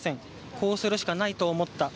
こうするしかないと思った。